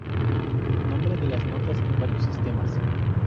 Nombre de las notas en varios sistemas.